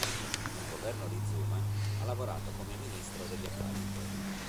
Nel governo di Zuma ha lavorato come Ministro degli Affari Interni.